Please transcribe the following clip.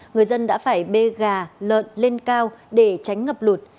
người dân đã phải bê gà lợn lên cao để tránh ngập lụt